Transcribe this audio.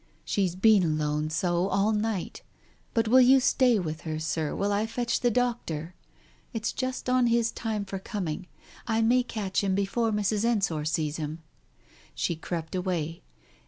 "She's been alone so all night, but will you stay with her, Sir, while I fetch the doctor ? It's just on his time for coming. I may catch him before Mrs. Ensor sees him." She crept away.